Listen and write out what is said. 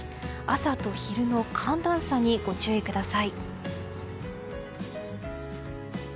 朝と昼の寒暖差にご注意ください。